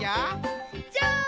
じゃん！